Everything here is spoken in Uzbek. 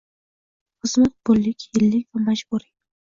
Xizmat pullik, yillik va majburiy